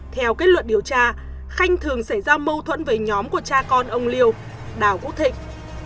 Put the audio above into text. theo kết luận điều tra khanh thường xảy ra mâu thuẫn với nhóm của cha con ông liêu đào vũ thịnh